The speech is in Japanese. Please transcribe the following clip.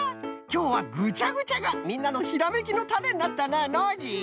きょうはぐちゃぐちゃがみんなのひらめきのタネになったなノージー。